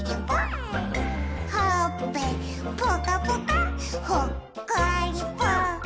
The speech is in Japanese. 「ほっぺぽかぽかほっこりぽっ」